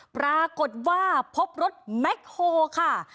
ปรากฏว่าพบรถแม็กโฮค่ะ